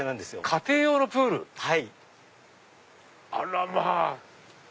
家庭用のプール⁉あらま！